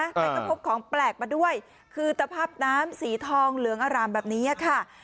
แต่ก็พบของแปลกมาด้วยคือสภาพน้ำสีทองเหลืองอร่ามแบบนี้ค่ะ